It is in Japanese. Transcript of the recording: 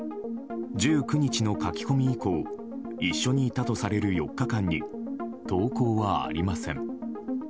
１９日の書き込み以降一緒にいたとされる４日間に投稿はありません。